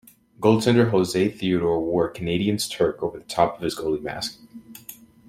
Goaltender Jose Theodore wore a Canadiens tuque over the top of his goalie mask.